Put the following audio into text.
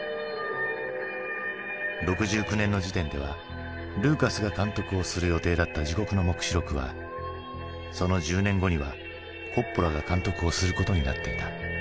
６９年の時点ではルーカスが監督をする予定だった「地獄の黙示録」はその１０年後にはコッポラが監督をすることになっていた。